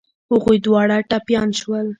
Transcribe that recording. هغوی دواړه ټپيان شول.